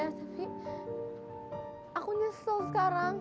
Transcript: tapi aku nyesel sekarang